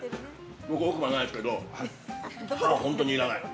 ◆僕、奥歯ないですけど、歯、本当に要らない。